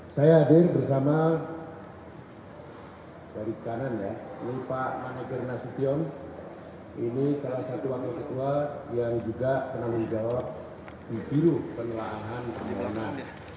saya hadir bersama dari kanan ya ini pak maneger nasution ini salah satu wakil ketua yang juga penanggung jawab di biro penelaahan permohonan